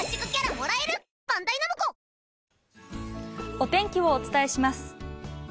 お天気をお伝えします。